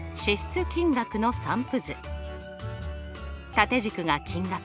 縦軸が金額。